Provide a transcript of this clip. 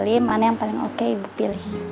jadi mana yang paling oke ibu pilih